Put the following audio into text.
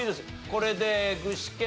これで具志堅さん